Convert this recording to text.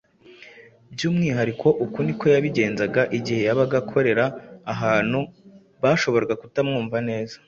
Byumwihariko uku niko yabigenzaga igihe yabaga akorera ahantu bashoboraga kutamwumva neza.